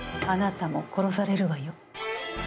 あなたも殺されるわよ。